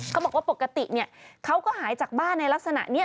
เขาบอกว่าปกติเขาก็หายจากบ้านในลักษณะนี้